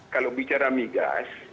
kalau bicara migas